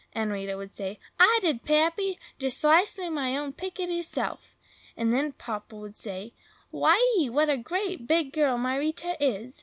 And Rita would say, "I did, Pappy! just 'cisely all my own pitickiler self." And then Papa would say, "Why ee! what a great, big girl my Rita is!